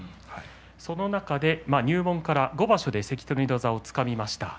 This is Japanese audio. その中で入門から５場所で関取の座をつかみました。